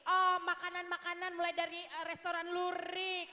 oh makanan makanan mulai dari restoran lurik